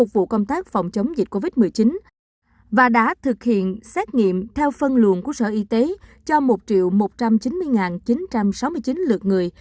và đã thực hiện xét nghiệm theo phân luận của sở y tế cho một một trăm chín mươi chín trăm sáu mươi chín lượt người